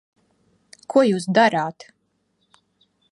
Ko jūs darāt?